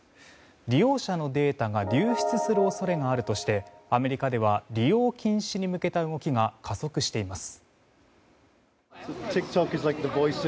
利用者のデータが流出する恐れがあるとしてアメリカでは利用禁止に向けた動きが加速しています。